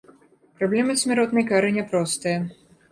Праблема смяротнай кары няпростая.